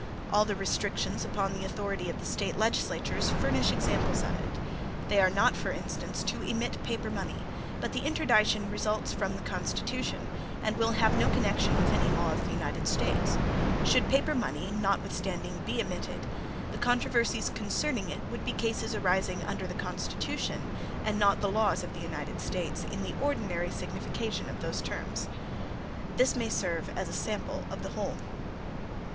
All the restrictions upon the authority of the State legislatures furnish examples of it. They are not, for instance, to emit paper money; but the interdiction results from the Constitution, and will have no connection with any law of the United States. Should paper money, notwithstanding, be emited, the controversies concerning it would be cases arising under the Constitution and not the laws of the United States, in the ordinary signification of the terms. This may serve as a sample of the whole.